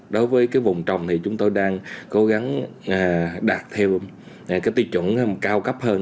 đối với cái vùng trồng thì chúng tôi đang cố gắng đạt theo cái tiêu chuẩn cao cấp hơn